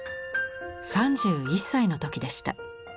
３１歳の時でした。